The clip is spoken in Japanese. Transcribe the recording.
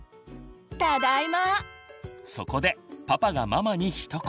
そこでパパがママにひと言。